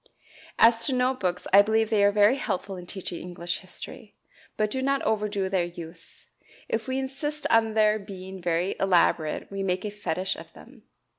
As to note books, I believe they are very helpful in teaching English history; but do not overdo their use. If we insist on their being very elaborate we make a fetish of them.